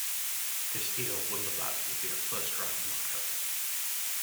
Castillo won the bout via first round knockout.